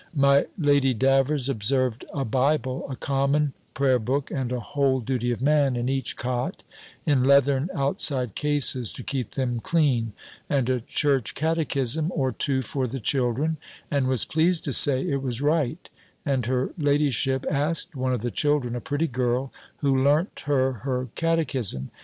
My Lady Davers observed a Bible, a Common Prayer book, and a Whole Duty of Man, in each cot, in leathern outside cases, to keep them clean, and a Church Catechism or two for the children; and was pleased to say, it was right; and her ladyship asked one of the children, a pretty girl, who learnt her her catechism?